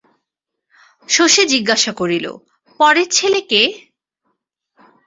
শশী জিজ্ঞাসা করিল, পরের ছেলে কে?